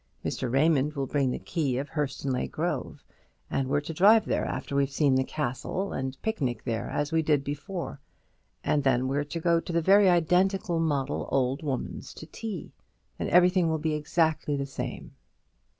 Mr. Raymond will bring the key of Hurstonleigh Grove, and we're to drive there after we've seen the castle, and picnic there as we did before; and then we're to go to the very identical model old woman's to tea; and everything will be exactly the same."